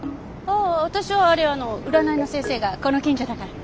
ああ私はあれ占いの先生がこの近所だから。